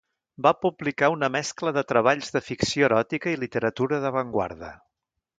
Va publicar una mescla de treballs de ficció eròtica i literatura d'avantguarda.